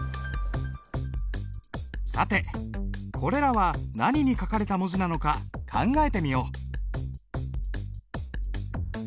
さてこれらは何に書かれた文字なのか考えてみよう。